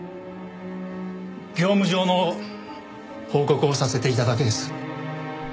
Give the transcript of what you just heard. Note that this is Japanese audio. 業務上の報告をさせていただけです。